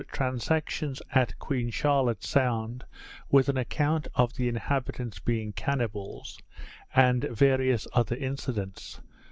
_Transactions at Queen Charlotte's Sound; with an Account of the Inhabitants being Cannibals; and various other Incidents.